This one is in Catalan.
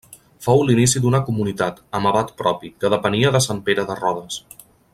Fou l'inici d'una comunitat, amb abat propi, que depenia de Sant Pere de Rodes.